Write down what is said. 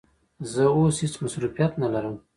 زه اوس هیڅ مصروفیت نه لرم.